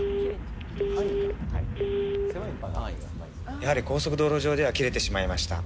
やはり高速道路上では切れてしまいました。